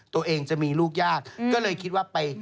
ตัวเองจะมีลูกยากก็เลยคิดว่าไป